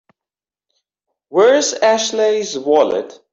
Where's Ashley's wallet?